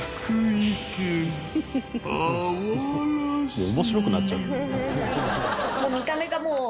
「もう面白くなっちゃう」